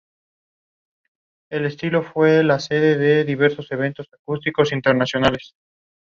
Decorative grill work enclosed the glass well of the escalators.